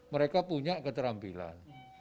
mereka punya keterampilan